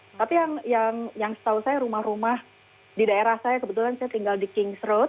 tapi yang setahu saya rumah rumah di daerah saya kebetulan saya tinggal di kings road